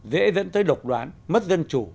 dễ dẫn tới độc đoán mất dân chủ